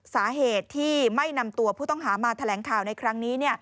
สาเหตุที่ไม่นำตัวผู้ต้องหามาแถลงข่าวในครั้งนี้